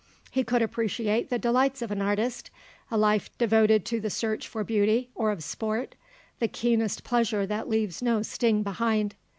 He could appreciate the delights of an artist, a life devoted to the search for beauty, or of sport, the keenest pleasure that leaves no sting behind.